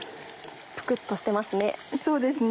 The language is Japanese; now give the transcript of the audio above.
プクっとしてますね。